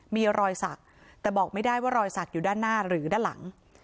มีรอยสักแต่บอกไม่ได้ว่ารอยสักอยู่ด้านหน้าหรือด้านหลัง